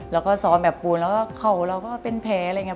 แล้วก็ซ้อมแบบปูนแล้วก็เข่าเราก็เป็นแผลอะไรอย่างนี้